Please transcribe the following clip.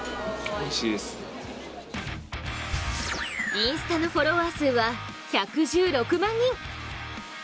インスタのフォロワー数は１１６万人。